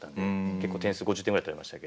結構点数５０点ぐらい取られましたけど。